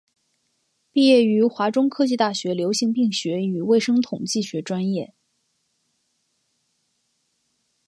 毕业于华中科技大学流行病学与卫生统计学专业。